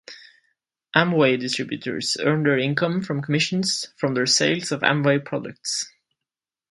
Amway distributors earn their income from commissions from their sales of Amway products.